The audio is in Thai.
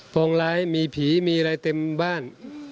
พองร้ายมีผีมีอะไรเต็มบ้าน